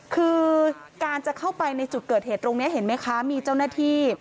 คือการจะเข้าไปในจุดเกิดเหตุตรงนี้เห็นไหมคะมีเจ้าหน้าที่